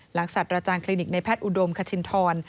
หลังสัตว์ราชาครินิกในแพทย์อุดมคชินธรณ์